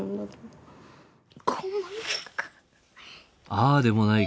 ああでもない